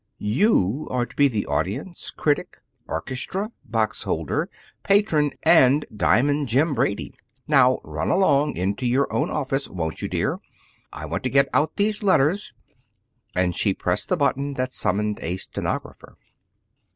"You are to be audience, critic, orchestra, box holder, patron, and 'Diamond Jim' Brady. Now run along into your own office won't you, dear? I want to get out these letters." And she pressed the button that summoned a stenographer.